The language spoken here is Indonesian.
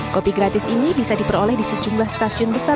kopi gratis ini bisa diperoleh di sejumlah stasiun besar